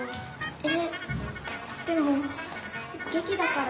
えっでもげきだからさ。